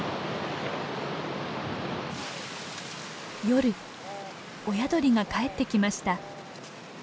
夜親鳥が帰ってきました。